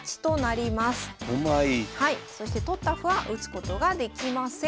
そして取った歩は打つことができません。